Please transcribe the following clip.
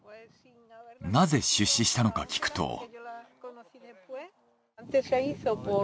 なぜ出資したのか聞くと。